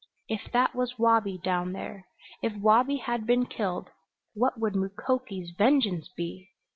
If that was Wabi down there if Wabi had been killed what would Mukoki's vengeance be!